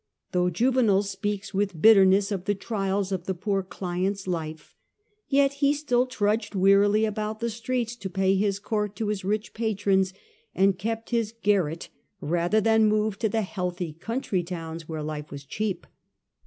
Though Juvenal speaks with bitterness of the trials of the poor client's life, yet he still trudged wearily about the streets to pay his court to his rich patrons, and kept his garret rather than move to the healthy country towns where life was cheap.